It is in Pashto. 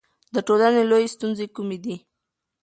د ټولنې لویې ستونزې کومې دي؟